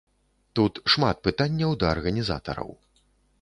Тут шмат пытанняў да арганізатараў.